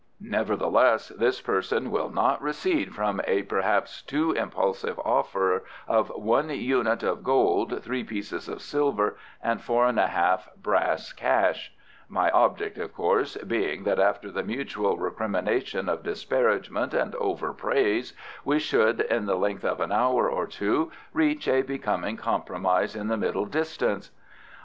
Nevertheless, this person will not recede from a perhaps too impulsive offer of one unit of gold, three pieces of silver, and four and a half brass cash," my object, of course, being that after the mutual recrimination of disparagement and over praise we should in the length of an hour or two reach a becoming compromise in the middle distance.